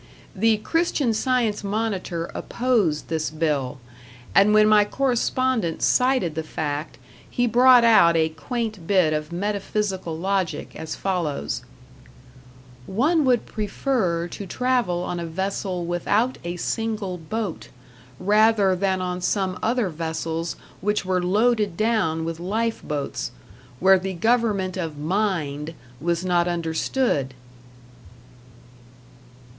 The "Christian Science Monitor" opposed this bill; and when my correspondent cited the fact, he brought out a quaint bit of metaphysical logic, as follows: One would prefer to travel on a vessel without a single boat, rather than on some other vessels which were loaded down with life boats, where the government of Mind was not understood!